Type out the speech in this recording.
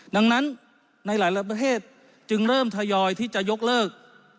ดังนั้นในหลายประเทศจึงเริ่มทยอยที่จะยกเลิก